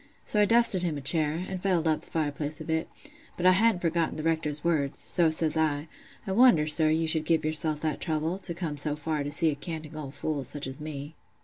So I dusted him a chair, an' fettled up th' fireplace a bit; but I hadn't forgotten th' Rector's words, so says I, 'I wonder, sir, you should give yourself that trouble, to come so far to see a "canting old fool," such as me.